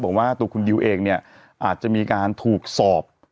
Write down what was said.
บอกว่าตัวคุณดิวเองเนี่ยอาจจะมีการถูกสอบ